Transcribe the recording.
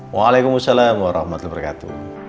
waalaikumsalam warahmatullahi wabarakatuh